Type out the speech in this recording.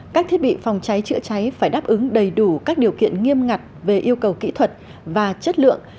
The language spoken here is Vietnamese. các thiết bị phòng cháy chữa cháy phải đáp ứng đầy đủ các điều kiện nghiêm ngặt về yêu cầu kỹ thuật và chất lượng